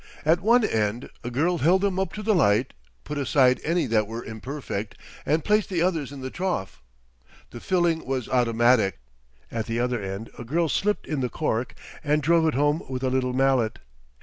At one end a girl held them up to the light, put aside any that were imperfect and placed the others in the trough; the filling was automatic; at the other end a girl slipped in the cork and drove it home with a little mallet.